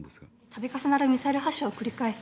たび重なるミサイル発射を繰り返す